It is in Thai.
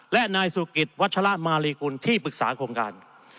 และนายสุกิตวัชละมาลีกุลที่ปรึกษาโครงการ